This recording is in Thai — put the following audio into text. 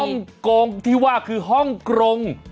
ห้องกงคิดว่าคือห้องกรง